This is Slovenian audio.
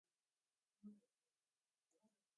Glave so se vzdignile iz postelj.